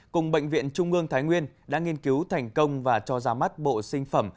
cùng bệnh viện trung ương thái nguyên đã nghiên cứu thành công và cho ra mắt bộ sinh phẩm